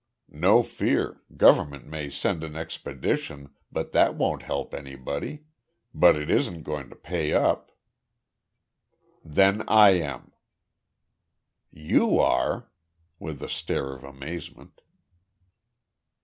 "No fear, Government may send an expedition, but that won't help anybody, but it isn't going to pay up." "Then I am." "You are?" with a stare of amazement.